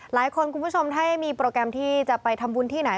คุณผู้ชมถ้ามีโปรแกรมที่จะไปทำบุญที่ไหน